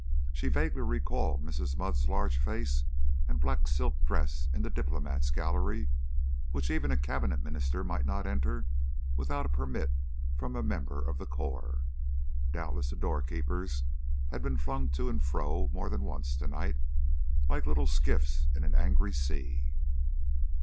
She vaguely recalled Mrs. Mudd's large face and black silk dress in the Diplomats' Gallery, which even a Cabinet minister might not enter without a permit from a member of the Corps. Doubtless the doorkeepers had been flung to and fro more than once to night, like little skiffs in an angry sea.